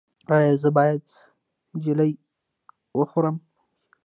ایا زه باید جیلې وخورم؟